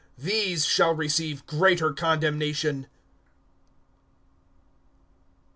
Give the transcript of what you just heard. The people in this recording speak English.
These shall receive greater condemnation.